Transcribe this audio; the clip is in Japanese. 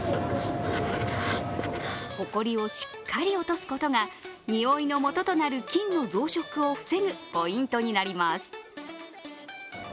ほこりをしっかり落とすことがにおいの元となる菌の増殖を防ぐポイントになります。